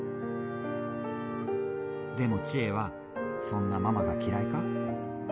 でも知恵はそんなママが嫌いか？